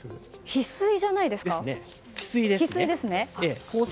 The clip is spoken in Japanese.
ヒスイじゃないですか？